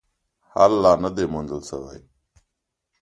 حل لا نه دی موندل سوی.